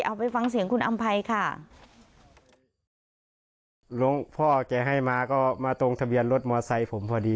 เอาไปฟังเสียงคุณอำภัยค่ะหลวงพ่อแกให้มาก็มาตรงทะเบียนรถมอไซค์ผมพอดี